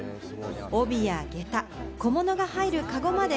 帯や下駄、小物が入るかごまで。